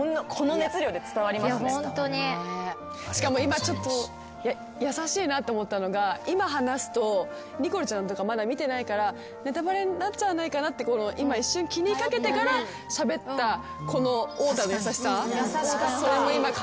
しかも今ちょっと優しいなと思ったのが今話すとニコルちゃんとかまだ見てないからネタバレになっちゃわないかなって今一瞬気に掛けてからしゃべったこのおーたんの優しさそれも今感じましたね。